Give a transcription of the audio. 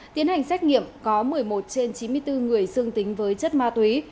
tiến hành xét nghiệm có một mươi một trên chín mươi bốn người dương tính với chất ma túy